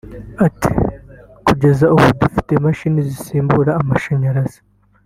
Ati “Kugeza ubu dufite imashini zisimbura amashanyarazi